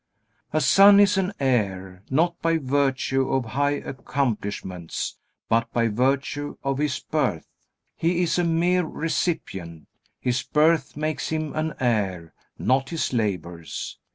A son is an heir, not by virtue of high accomplishments, but by virtue of his birth. He is a mere recipient. His birth makes him an heir, not his labors.